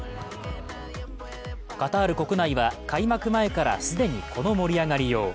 カタール国内は開幕前から既にこの盛り上がりよう。